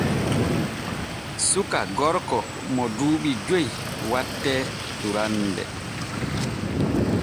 Suka gorko mo duuɓi joy wattee durande.